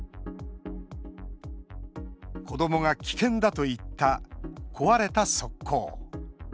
子どもが危険だと言った壊れた側溝。